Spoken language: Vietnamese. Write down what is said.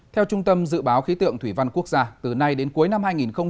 theo trung tâm dự báo khí tượng thủy văn quốc gia từ nay đến cuối năm hai nghìn hai mươi